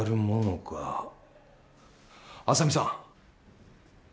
浅見さん。